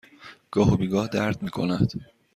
گاه و بیگاه درد می کند.